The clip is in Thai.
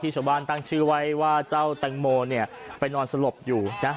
ชาวบ้านตั้งชื่อไว้ว่าเจ้าแตงโมเนี่ยไปนอนสลบอยู่นะ